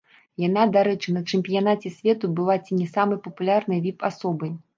Яна, дарэчы, на чэмпіянаце свету была ці не самай папулярнай віп-асобай.